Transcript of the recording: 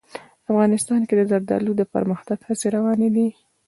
افغانستان کې د زردالو د پرمختګ هڅې روانې دي.